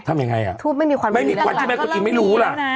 ทำยังไงอ่ะไม่มีความที่แม่กุฏอิมไม่รู้ล่ะ